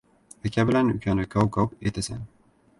Aka bilan ukani kov-kov etasan.